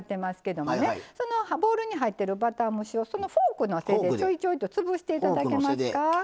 ボウルに入ってるバター蒸しをそのフォークの背でちょいちょいと潰していただけますか。